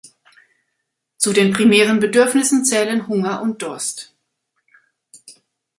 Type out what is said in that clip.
Zu den primären Bedürfnissen zählen Hunger und Durst.